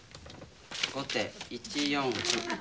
後手１四歩。